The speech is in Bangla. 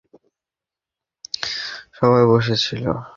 সবাই বসে কথা বলছিল, বের হবার সুযোগ পাইনি।